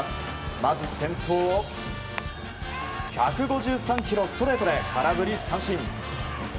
まず、先頭を１５３キロストレートで空振り三振。